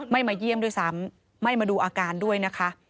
มาเยี่ยมด้วยซ้ำไม่มาดูอาการด้วยนะคะ